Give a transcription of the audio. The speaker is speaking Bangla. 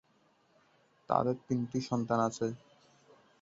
তাদের তিনটি সন্তান আছে।